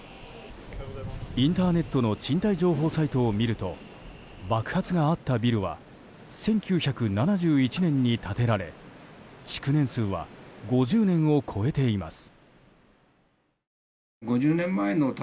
インターネットの賃貸情報サイトを見ると爆発があったビルは１９７１年に建てられ築年数は５０年を超えています。